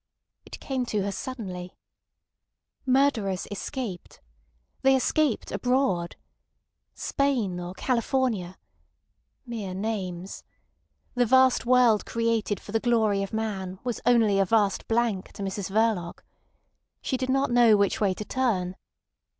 It came to her suddenly. Murderers escaped. They escaped abroad. Spain or California. Mere names. The vast world created for the glory of man was only a vast blank to Mrs Verloc. She did not know which way to turn.